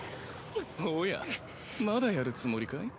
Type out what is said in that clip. おやまだやるつもりかい？